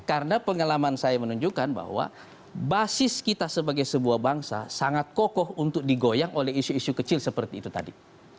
karena pengalaman saya menunjukkan bahwa basis kita sebagai sebuah bangsa sangat kokoh untuk digoyang oleh isu isu kecil seperti itu tadi